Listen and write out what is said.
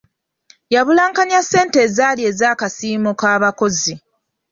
Yabulankanya ssente ezaali ez'akasiimo k'abakozi.